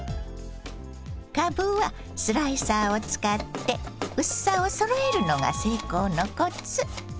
かぶはスライサーを使って薄さをそろえるのが成功のコツ。